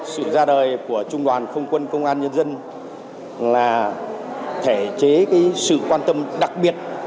sự ra đời của trung đoàn không quân công an nhân dân là thể chế sự quan tâm đặc biệt